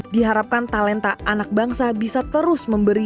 diharapkan talenta anak bangsa bisa terus memberi